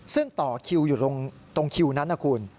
ซึ่งต่อคิวอยู่ตรงคิวนั้นนะคุณ